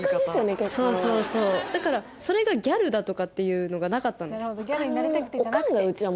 結構そうそうそうだからそれがギャルだとかっていうのがなかったの分かる